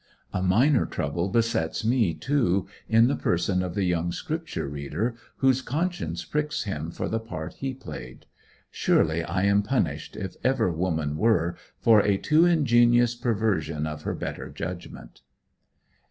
A minor trouble besets me, too, in the person of the young Scripture reader, whose conscience pricks him for the part he played. Surely I am punished, if ever woman were, for a too ingenious perversion of her better judgment!